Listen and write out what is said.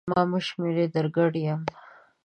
ما مه شمېره در ګډ یم!